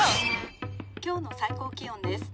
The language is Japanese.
「今日の最高気温です。